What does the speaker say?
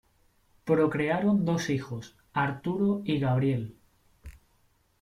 Procrearon dos hijos, Arturo y Gabriel.